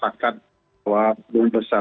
setakat bahwa bung besar